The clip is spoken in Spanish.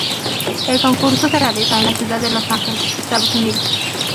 El concurso se realizó en la ciudad de Los Ángeles, Estados Unidos.